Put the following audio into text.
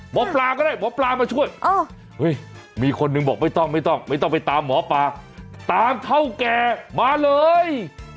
หมอปลาก็ได้หมอปลามาช่วยมีคนหนึ่งบอกไม่ต้องไม่ต้องไปตามหมอปลาตามเท่าแก่มาเลย